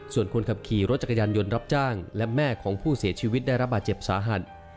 ส่วนคนขับขี่รถจักรยานยนต์รับจ้างและแม่ของผู้เสียชีวิตได้รับบาดเจ็บสาหัส